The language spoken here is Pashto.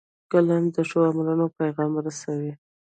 قلم د ښو عملونو پیغام رسوي